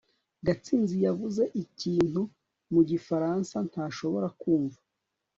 gatsinzi yavuze ikintu mu gifaransa ntashobora kumva